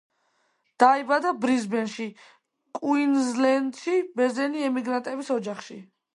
დაიბადა ბრიზბენში, კუინზლენდში, ბერძენი ემიგრანტების ოჯახში.